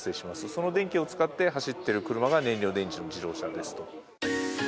その電気を使って走ってる車が燃料電池の自動車ですと。